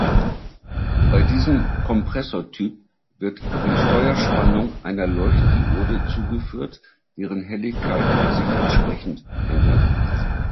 Bei diesem Kompressor-Typ wird die Steuerspannung einer Leuchtdiode zugeführt, deren Helligkeit sich entsprechend ändert.